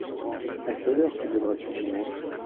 À quelle heure te lèveras-tu dimanche ?